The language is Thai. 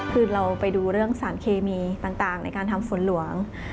คือเราไปดูเรื่องสารเคมีต่างในการทำฝนหลวง